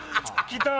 来た！